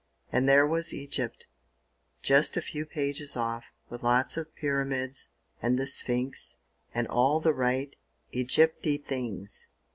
And there was Egypt, just a few pages off, with lots of pyramids, and the Sphinx, and all the right Egypty things.